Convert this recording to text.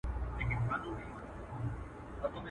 o په خپلوانو کي عمه غيم، په چايو کي شمه غيم.